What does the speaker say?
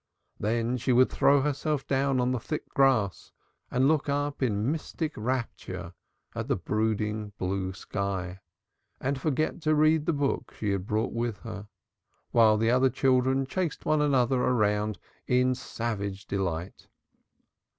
Then she would throw herself down on the thick grass and look up in mystic rapture at the brooding blue sky and forget to read the book she had brought with her, while the other children chased one another about in savage delight.